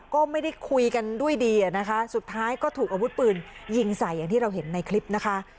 ก็ไม่ได้คุยกันด้วยดีอะนะคะสุดท้ายก็ถูกอาวุธปืนยิงใส่อย่างที่เราเห็นในคลิปนะคะ